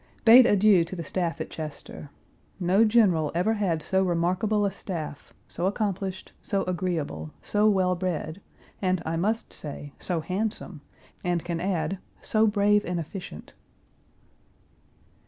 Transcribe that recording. Bade adieu to the staff at Chester. No general ever had so remarkable a staff, so accomplished, so agreeable, so well bred, and, I must say, so handsome, and can add so brave and efficient.